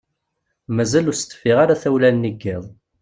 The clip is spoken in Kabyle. Mazal ur as-teffiɣ ara tawla-nni n yiḍ.